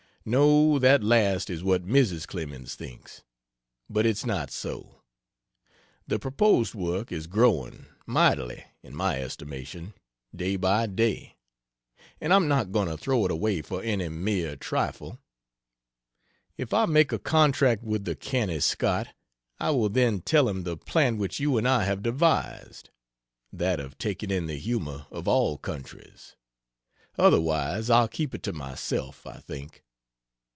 No, that last is what Mrs. Clemens thinks but it's not so. The proposed work is growing, mightily, in my estimation, day by day; and I'm not going to throw it away for any mere trifle. If I make a contract with the canny Scot, I will then tell him the plan which you and I have devised (that of taking in the humor of all countries) otherwise I'll keep it to myself, I think.